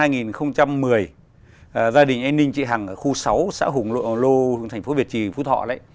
gia đình em ninh chị hằng ở khu sáu xã hùng lô thành phố việt trì phú thọ đấy